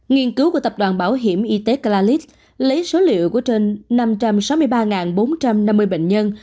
nghiên cứu của tập đoàn bảo hiểm y tế clalis lấy số liệu của trên năm trăm sáu mươi ba bốn trăm năm mươi bệnh nhân